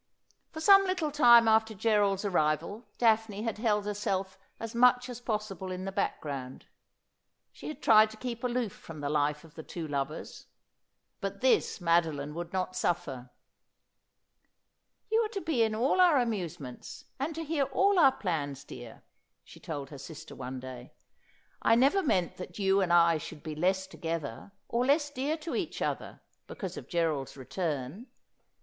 For some little time after Gerald's arrival Daphne had held herself as much as possible in the background. She had tried to keep aloof from the life of the two lovers ; but this Mado line would not suffer. ' You are to be in all our amusements, and to hear all our plans, dear,' she told her sister one day. ' I never meant that you and I should be less together, or less dear to each other because of Gerald's return.